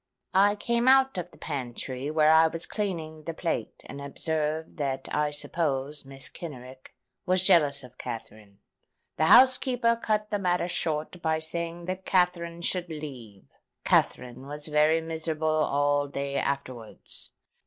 I came out of the pantry, where I was cleaning the plate, and observed that I supposed Mrs. Kenrick was jealous of Katherine. The housekeeper cut the matter short by saying that Katherine should leave. Katherine was very miserable all day afterwards.